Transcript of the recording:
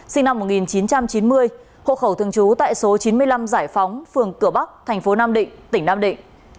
sinh năm một nghìn chín trăm chín mươi hô khẩu thường trú tại số chín mươi năm giải phóng phường cửa bắc tp nam định tỉnh nam định